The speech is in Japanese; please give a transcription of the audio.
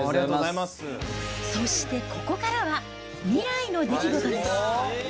そしてここからは、未来の出来事です。